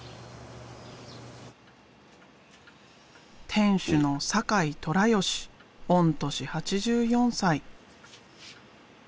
店主の酒井寅義御年８４歳。